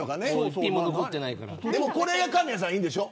これが神谷さんいいんでしょ。